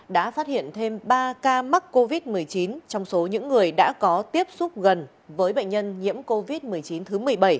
đã phát hiện thêm ba ca mắc covid một mươi chín trong số những người đã có tiếp xúc gần với bệnh nhân nhiễm covid một mươi chín thứ một mươi bảy